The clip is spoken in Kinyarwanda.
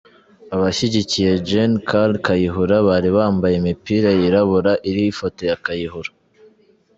Abashyigikiye Gen Kale Kayihura bari bambaye imipira yirabura iriho ifoto ya Kayihura.